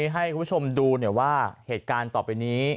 ให้คุณผู้ชมดูว่าเหตุการณ์ต่อไปนี้